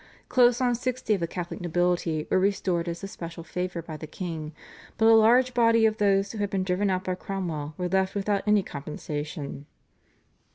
Close on sixty of the Catholic nobility were restored as a special favour by the king, but a large body of those who had been driven out by Cromwell were left without any compensation.